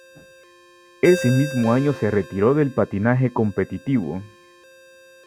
Ese mismo año se retiró del patinaje competitivo.